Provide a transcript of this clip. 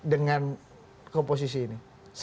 dengan komposisi ini